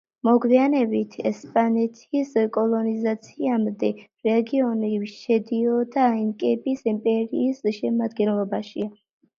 მოგვიანებით, ესპანეთის კოლონიზაციამდე, რეგიონი შედიოდა ინკების იმპერიის შემადგენლობაში.